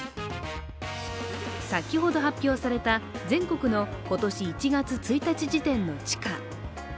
先ほど発表された全国の今年１月１日時点の地価。